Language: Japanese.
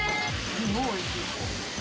すごいおいしい。